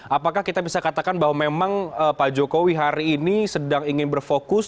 apakah kita bisa katakan bahwa memang pak jokowi hari ini sedang ingin berfokus